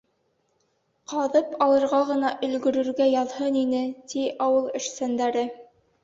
Ҡаҙып алырға ғына өлгөрөргә яҙһын ине, ти ауыл эшсәндәре.